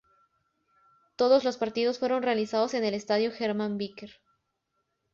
Todos los partidos fueron realizados en el Estadio Germán Becker.